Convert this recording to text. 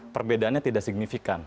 perbedaannya tidak signifikan